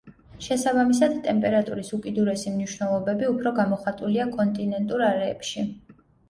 შესაბამისად, ტემპერატურის უკიდურესი მნიშვნელობები უფრო გამოხატულია კონტინენტურ არეებში.